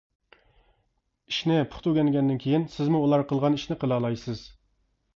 ئىشنى پۇختا ئۆگەنگەندىن كېيىن سىزمۇ ئۇلار قىلغان ئىشنى قىلالايسىز.